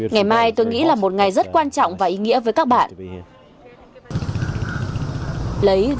ngày mai tôi nghĩ là một ngày rất quan trọng và ý nghĩa với các bộ phòng